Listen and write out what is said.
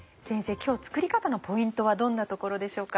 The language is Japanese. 今日作り方のポイントはどんなところでしょうか？